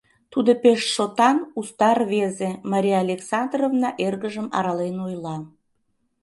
Тудо пеш шотан, уста рвезе, — Мария Александровна эргыжым арален ойла.